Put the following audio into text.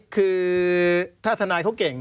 คือถ้าทนายเขาเก่ง